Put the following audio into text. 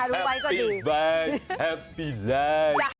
ลุงไบ๊ก็ดูแฮปปี้ไวฟ์